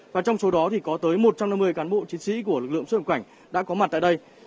và trong số đó thì có tới một trăm năm mươi cán bộ chiến sĩ của lực lượng xuất cảnh đã có mặt tại đây